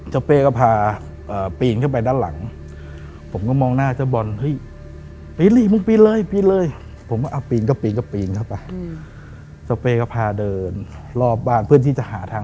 เห้ยปีนเลยมึงปีนเลยปีนเลย